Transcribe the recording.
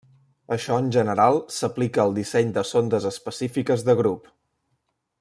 Això en general s'aplica al disseny de sondes específiques de grup.